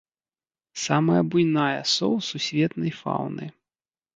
Самая буйная з соў сусветнай фаўны.